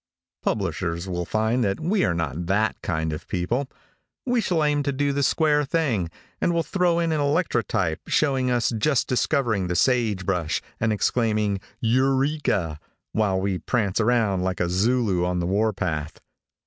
Publishers will find that we are not that kind of people. We shall aim to do the square thing, and will throw in an electrotype, showing us just discovering the sage brush, and exclaiming "Eureka," while we prance around like a Zulu on the war path.